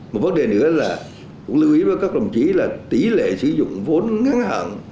một vấn đề nữa là cũng lưu ý với các đồng chí là tỷ lệ sử dụng vốn ngắn hạn